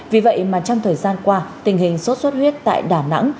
vì vậy mà trong thời gian qua tình hình sốt xuất huyết tại đà nẵng